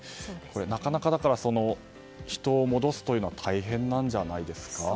なかなか人を戻すというのは大変なんじゃないですか？